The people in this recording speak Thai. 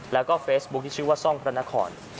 แล้วก็เฟซบุ๊คที่ชื่อว่าซ่องพระนคร